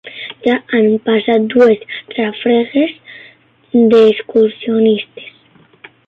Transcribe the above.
Ja han passat dues rafegues d'excursionistes.